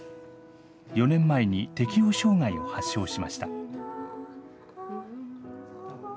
４年前に適応障害を発症しました。